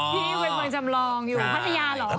พี่เป็นคนจำลองอยู่พัทยาเหรอ